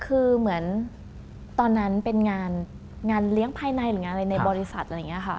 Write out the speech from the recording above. คือเหมือนตอนนั้นเป็นงานเลี้ยงภายในหรืองานอะไรในบริษัทอะไรอย่างนี้ค่ะ